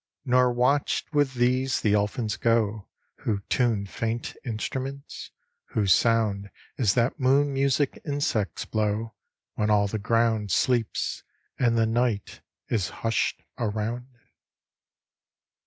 Nor watched with these the elfins go Who tune faint instruments? whose sound Is that moon music insects blow When all the ground Sleeps, and the night is hushed around?